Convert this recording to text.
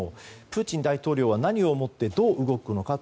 プーチン大統領は何を思ってどう動くのか。